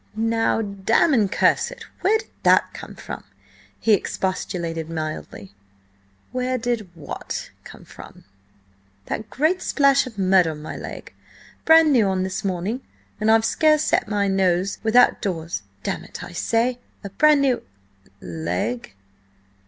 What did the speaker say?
"Now, damn and curse it! where did that come from?" he expostulated mildly. "Where did what come from?" "That great splash of mud on my leg. Brand new on this morning, and I've scarce set my nose without doors. Damn it, I say! A brand new—" "Leg?"